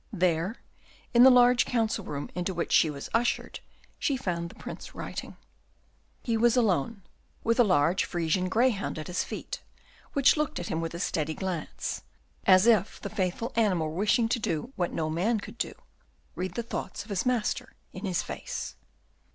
There, in the large Council Room into which she was ushered, she found the Prince writing. He was alone, with a large Frisian greyhound at his feet, which looked at him with a steady glance, as if the faithful animal were wishing to do what no man could do, read the thoughts of his master in his face.